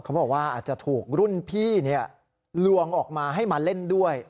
เขาบอกว่าอาจจะถูกรุ่นพี่ลวงออกมาให้มาเล่นด้วย